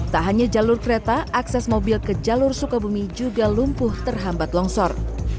tak hanya jalur kereta akses mobil ke jalur sukabumi juga lumpuh terhambat longsor